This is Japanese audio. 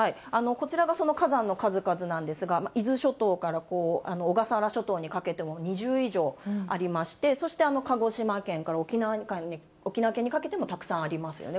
こちらがその火山の数々なんですが、伊豆諸島からこう、小笠原諸島にかけても２０以上ありまして、そして鹿児島県から沖縄県にかけてもたくさんありますよね。